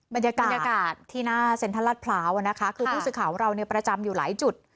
บรรยากาศที่หน้าเซ็นทรัลลัดพร้าวนะคะคือผู้สื่อข่าวของเราเนี่ยประจำอยู่หลายจุด